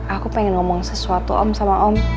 aku pengen ngomong sesuatu om sama om